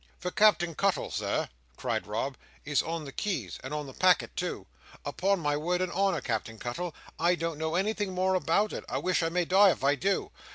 "'For Captain Cuttle,' Sir," cried Rob, "is on the keys, and on the packet too. Upon my word and honour, Captain Cuttle, I don't know anything more about it. I wish I may die if I do!